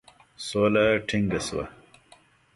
سوله ټینګه سوه.